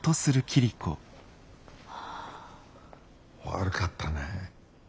悪かったな。